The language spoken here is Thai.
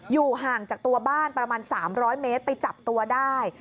อยู่ห่างจากตัวบ้านประมาณ๓๐๐เมตรไปจับตัวได้